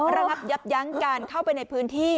ระงับยับยั้งการเข้าไปในพื้นที่